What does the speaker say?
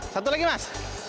satu lagi mas